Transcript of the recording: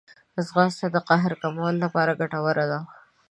ځغاسته د قهر کمولو لپاره ګټوره ده